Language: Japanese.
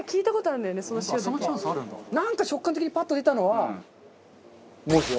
なんか直感的にパッと出たのは藻塩。